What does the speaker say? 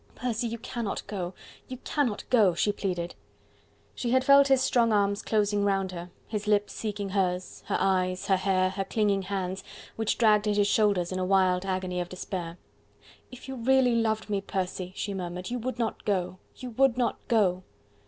"Percy, you cannot go... you cannot go!..." she pleaded. She had felt his strong arms closing round her, his lips seeking hers, her eyes, her hair, her clinging hands, which dragged at his shoulders in a wild agony of despair. "If you really loved me, Percy," she murmured, "you would not go, you would not go..."